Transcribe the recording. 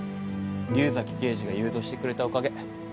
竜崎刑事が誘導してくれたおかげ。